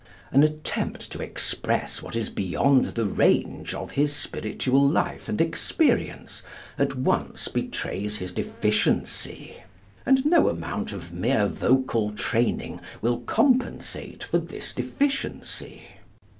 An attempt to express what is beyond the range of his spiritual life and experience, at once betrays his deficiency. And no amount of mere vocal training will compensate for this deficiency.